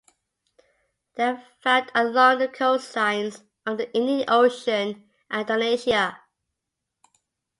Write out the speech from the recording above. They are found along the coastlines of the Indian Ocean and Indonesia.